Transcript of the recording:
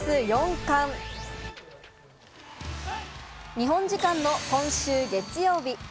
日本時間の今週月曜日。